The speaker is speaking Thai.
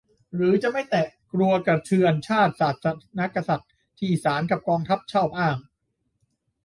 หรือจะไม่แตะ กลัวกระเทือน "ชาติ ศาสน์ กษัตริย์" ที่ศาลกับกองทัพชอบอ้าง